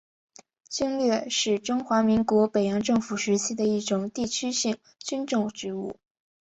经略使是中华民国北洋政府时期的一种地区性军政职务。